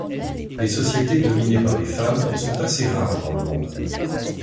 Les sociétés dominées par les femmes sont assez rares dans le monde.